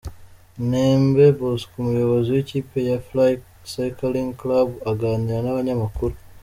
Ntembe Bosco umuyobozi w'ikipe ya Fly Cycling Club aganira n'abanyamakuru.